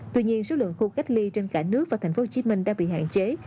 tuy nhiên số lượng khu cách ly trên cả nước và thành phố hồ chí minh đã bị hạn chế